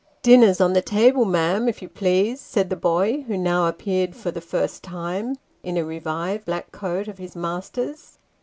"Dinner's on the table, ma'am, if you please," said the boy, who now appeared for the first time, in a revived black coat "of his master's.